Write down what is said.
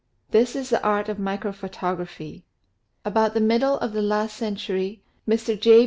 This is the art of microphotography. About the middle of the last century Mr. J.